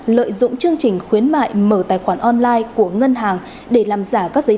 lợi dụng chương trình khuyến mại mở tài khoản online của ngân hàng